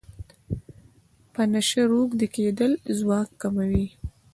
په نشه روږدی کیدل ځواک کموي.